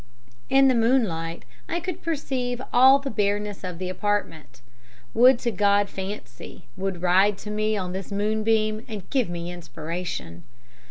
In the moonlight I could perceive all the bareness of the apartment. Would to God Fancy would ride to me on this moonbeam and give me inspiration!